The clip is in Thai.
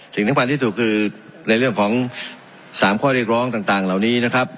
สิ่งสำคัญที่สุดคือในเรื่องของ๓ข้อเรียกร้องต่างเหล่านี้นะครับ